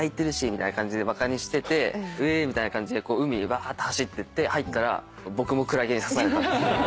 みたいな感じでバカにしててウェみたいな感じで海にばーって走ってって入ったら僕もクラゲに刺されたっていう。